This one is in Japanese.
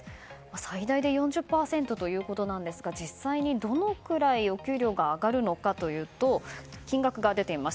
最大で４０％ということなんですが実際にどのくらいお給料が上がるのかというと金額が出ています。